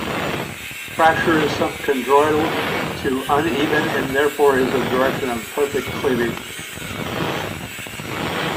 Fracture is subconchodial to uneven, and there is one direction of perfect cleavage.